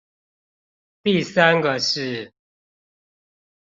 第三個是